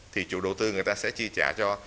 thì chủ đầu tư người ta sẽ chi trả cho